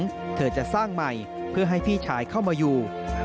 น้ำสัตว์พังทั้งหลังเธอจะสร้างใหม่เพื่อให้พี่ชายเข้ามาอยู่